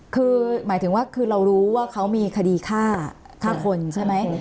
คือหมายถึงว่าคือเรารู้ว่าเขามีคดีฆ่าฆ่าคนใช่ไหม